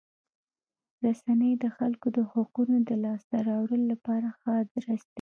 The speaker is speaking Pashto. رسنۍ د خلکو د حقوقو د لاسته راوړلو لپاره ښه ادرس دی.